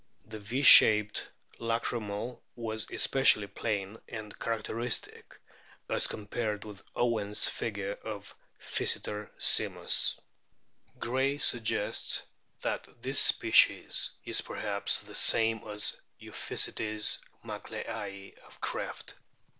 The V shaped lacrymal was especially plain, and characteristic as compared with Owen's figure of " Physeter siums" Gray suggests that this species is perhaps the same as Euphysetes macleayi of Krefft.